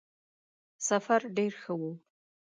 سفر ډېر ښه وو.